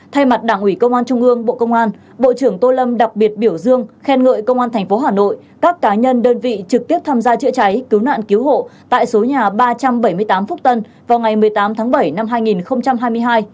thay mặt đảng ủy công an trung ương bộ công an bộ trưởng tô lâm đặc biệt biểu dương khen ngợi công an tp hà nội các cá nhân đơn vị trực tiếp tham gia chữa cháy cứu nạn cứu hộ tại số nhà ba trăm bảy mươi tám phúc tân vào ngày một mươi tám tháng bảy năm hai nghìn hai mươi hai